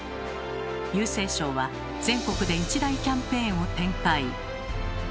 郵政省は全国で一大キャンペーンを展開。